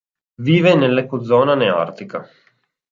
Vive nell'ecozona neartica.